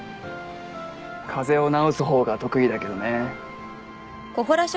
風邪を治す方が得意だけどね。